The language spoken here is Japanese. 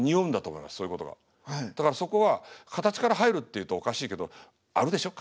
だからそこは形から入るっていうとおかしいけどあるでしょ？